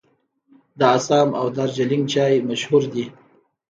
د اسام او دارجلینګ چای مشهور دی.